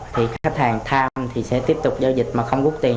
thì khách hàng tham thì sẽ tiếp tục giao dịch